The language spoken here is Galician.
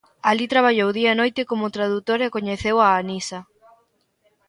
Alí traballou día e noite como tradutora e coñeceu a Anisa.